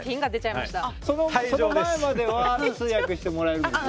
その前までは通訳してもらえるんですよね？